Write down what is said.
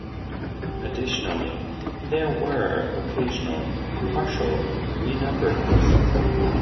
Additionally, there were occasional partial renumberings.